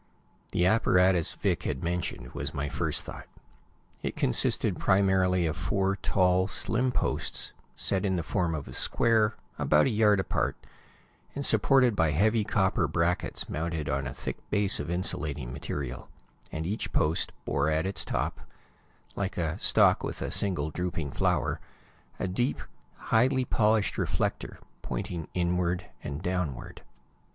The apparatus Vic had mentioned was my first thought. It consisted primarily of four tall, slim posts, set in the form of a square, about a yard apart, and supported by heavy copper brackets mounted on a thick base of insulating material, and each post bore at its top, like a stalk with a single drooping flower, a deep, highly polished reflector, pointing inward and downward.